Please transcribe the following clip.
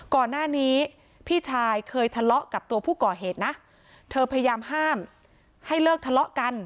ก่อนหน้านี้พี่ชายเคยทะเลาะกับตัวผู้ก่อเหตุนะเธอพยายามห้ามให้เลิกทะเลาะกัน